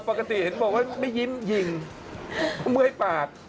ปกติเห็นบอกว่าไม่ยิ้มยิงเมื่อยปาก